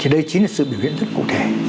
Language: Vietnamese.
đây chính là sự biểu hiện rất cụ thể